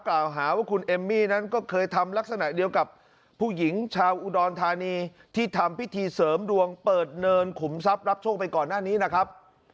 กล่าวหาว่าคุณเอมมี่นั้นก็เคยทำลักษณะเดียวกับผู้หญิงชาวอุดรธานีที่ทำพิธีเสริมดวงเปิดเนินขุมทรัพย์รับโชคไปก่อนหน้านี้นะครับ